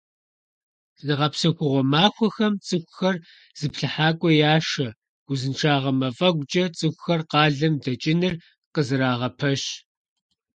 Зыгъэпсэхугъуэ махуэхэм цӀыхухэр зыплъыхьакӀуэ яшэ, узыншагъэ мафӀэгукӀэ цӀыхухэр къалэм дэкӀыныр къызэрагъэпэщ.